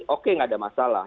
oke nggak ada masalah